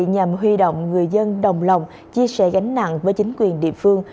nhằm huy động người dân đồng lòng chia sẻ gánh nặng với chính quyền địa phương